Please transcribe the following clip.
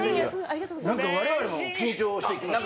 われわれも緊張してきました。